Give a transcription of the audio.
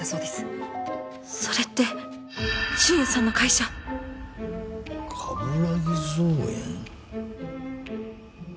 それって俊也さんの会社！鏑木造園。